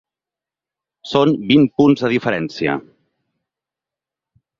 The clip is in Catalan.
Són vint punts de diferència!